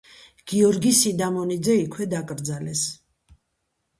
გიორგი სიდამონიძე იქვე დაკრძალეს.